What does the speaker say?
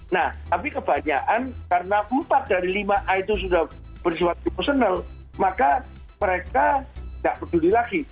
nah tapi kebanyakan karena empat dari lima a itu sudah bersifat proporsional maka mereka tidak peduli lagi